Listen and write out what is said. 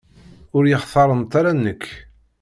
Ur yi-xtarent ara nekk.